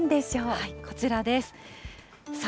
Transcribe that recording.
こちらです。